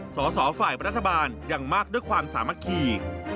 สอสอฝ่ายรัฐบาลยังมากด้วยความสามัคคี